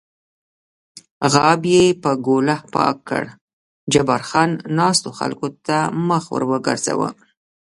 غاب یې په ګوله پاک کړ، جبار خان ناستو خلکو ته مخ ور وګرځاوه.